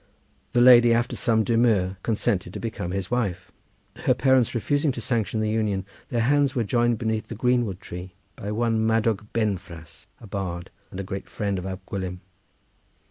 The lady after some demur consented to become his wife. Her parents refusing to sanction the union their hands were joined beneath the greenwood tree by one Madawg Benfras, a bard and a great friend of Ab Gwilym.